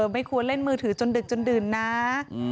ไม่ควรเล่นมือถือจนดึกจนดื่นนะ